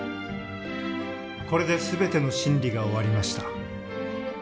これで全ての審理が終わりました。